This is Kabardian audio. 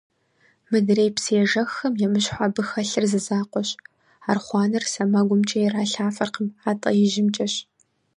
Мыдрей псы ежэххэм емыщхьу абы хэлъыр зы закъуэщ – архъуанэр сэмэгумкӏэ ирилъафэркъым, атӏэ ижьымкӏэщ!